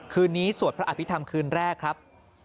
คืนนี้สวดพระอภิษฐรรมคืนแรกครับ